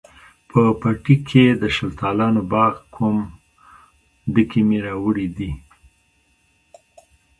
په پټي کښې د شلتالانو باغ کوم، ډکي مې راوړي دي